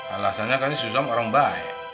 alasannya kan si sulam orang baik